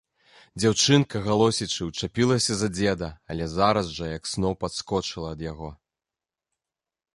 Дзяўчынка, галосячы, учапілася за дзеда, але зараз жа, як сноп, адскочыла ад яго.